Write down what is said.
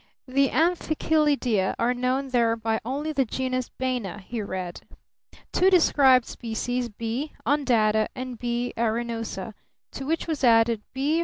"The Amphichelydia are known there by only the genus Baena," he read. "Two described species: B. undata and B. arenosa, to which was added B.